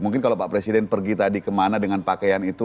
mungkin kalau pak presiden pergi tadi kemana dengan pakaian itu